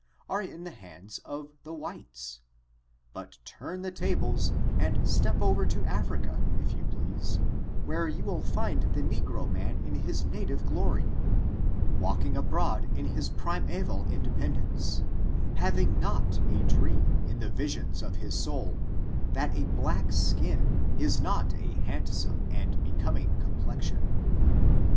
are in the hands of the whites; but turn the tables, and step over to Africa, if you please, where you will find the negro man in his native glory, walking abroad in his primeval independence, having not a dream ' in the visions of his soul that a black skin is not a handsome and becoming complexion.